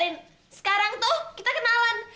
sekarang tuh kita kenalan